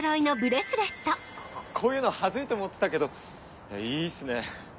こういうのハズいと思ってたけどいいっすね。